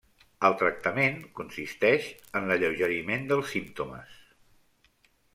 El tractament consisteix en l'alleugeriment dels símptomes.